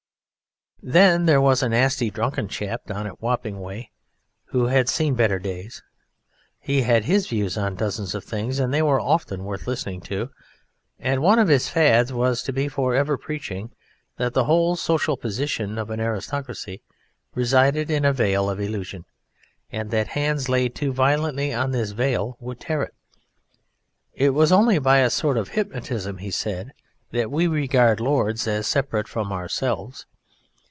Then there was a nasty drunken chap down Wapping way who had seen better days; he had views on dozens of things and they were often worth listening to, and one of his fads was to be for ever preaching that the whole social position of an aristocracy resided in a veil of illusion, and that hands laid too violently on this veil would tear it. It was only by a sort of hypnotism, he said, that we regarded Lords as separate from ourselves.